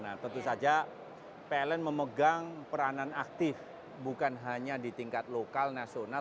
nah tentu saja pln memegang peranan aktif bukan hanya di tingkat lokal nasional